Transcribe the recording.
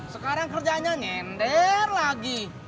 sekarang kerjanya nyender lagi